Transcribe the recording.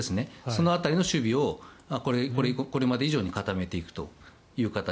その辺りの守備をこれまで以上に固めていくという形。